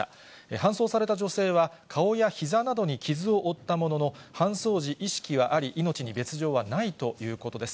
搬送された女性は、顔やひざなどに傷を負ったものの、搬送時、意識はあり、命に別状はないということです。